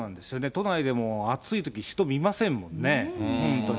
都内でも暑いとき、人、見ませんもんね。